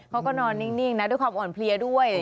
เขาก็นอนนิ่งนะด้วยความอ่อนเพลียด้วย